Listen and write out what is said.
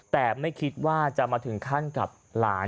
แต่ไม่คิดว่าจะมาถึงขั้นกับหลาน